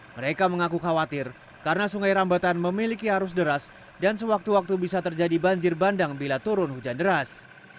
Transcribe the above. mereka mengaku khawatir karena sungai rambatan memiliki arus deras dan sewaktu waktu bisa terjadi banjir bandang bila turun hujan deras